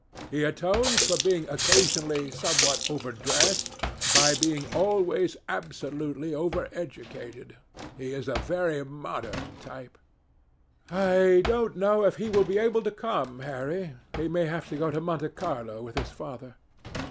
He atones for being occasionally somewhat overdressed by being always absolutely over educated. He is a very modern type." "I don't know if he will be able to come, Harry. He may have to go to Monte Carlo with his father."